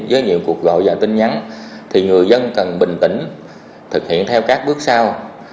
với những cuộc gọi và tin nhắn thì người dân cần bình tĩnh thực hiện theo các bước sau